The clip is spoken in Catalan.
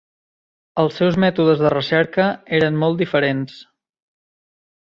Els seus mètodes de recerca eren molt diferents.